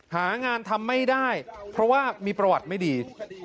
หางานทำไม่ได้เพราะว่ามีประวัติไม่ดี